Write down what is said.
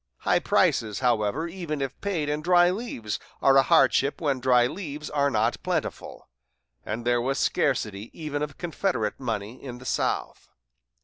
High prices, however, even if paid in dry leaves, are a hardship when dry leaves are not plentiful; and there was scarcity even of Confederate money in the South.